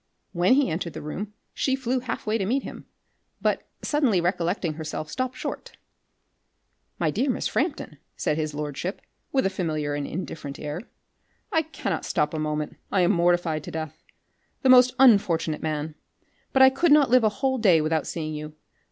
When he entered the room, she flew half way to meet him, but, suddenly recollecting herself, stopt short. "My dear Miss Frampton," said his lordship, with a familiar and indifferent air, "I cannot stop a moment. I am mortified to death. The most unfortunate man! But I could not live a whole day without seeing you.